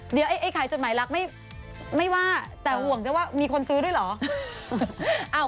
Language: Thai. เดี๋ยวไอ้ขายจดหมายรักไม่ว่าแต่ห่วงด้วยว่ามีคนซื้อด้วยเหรอ